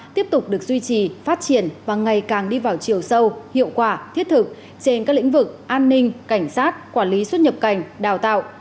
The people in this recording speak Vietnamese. tiếp tục được duy trì phát triển và ngày càng đi vào chiều sâu hiệu quả thiết thực trên các lĩnh vực an ninh cảnh sát quản lý xuất nhập cảnh đào tạo